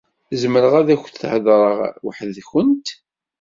Zemreɣ ad akent-heḍṛeɣ weḥd-nkent?